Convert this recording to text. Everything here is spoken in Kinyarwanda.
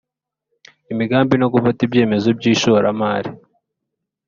imigambi no gufata ibyemezo by ishoramari